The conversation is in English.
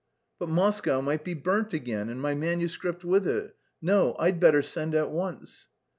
"But Moscow might be burnt again and my manuscript with it. No, I'd better send at once."